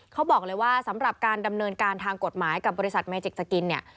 เขาบอกเลยว่าสำหรับการดำเนินการทางกฎหมายกับบริษัทเมจิกสกินเนี่ย